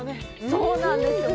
そうなんですよ。